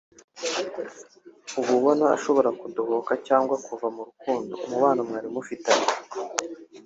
aba abona ushobora kudohoka cyangwa kuva mu rukundo/umubano mwari mufitanye